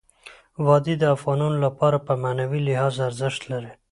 وادي د افغانانو لپاره په معنوي لحاظ ارزښت لري.